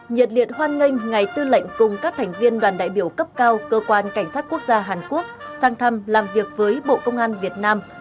nhiệt liệt hoan nghênh ngài tư lệnh cùng các thành viên đoàn đại biểu cấp cao cơ quan cảnh sát quốc gia hàn quốc sang thăm làm việc với bộ công an việt nam